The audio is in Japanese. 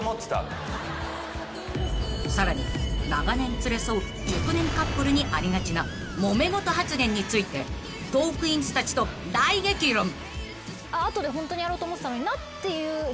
［さらに長年連れ添う熟年カップルにありがちなもめ事発言についてトークィーンズたちと大激論］っていう一言なんですよ。